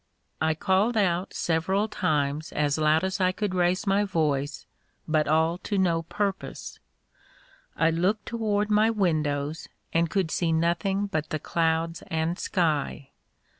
I called out several times as loud as I could raise my voice, but all to no purpose. I looked toward my windows, and could see nothing but the clouds and sky.